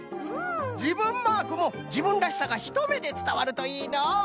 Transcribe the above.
じぶんマークもじぶんらしさがひとめでつたわるといいのう。